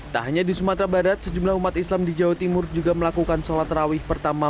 tak hanya di sumatera barat sejumlah umat islam di jawa timur juga melakukan sholat rawih pertama